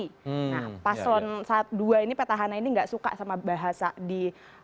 nah pasalon saat dua ini petahana ini nggak suka sama bahasa di